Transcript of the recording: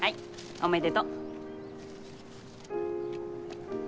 おめでとう。